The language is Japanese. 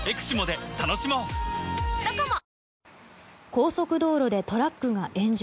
高速道路でトラックが炎上。